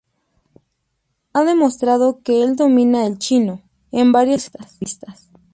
Ha demostrado que el domina el chino, en varias entrevistas.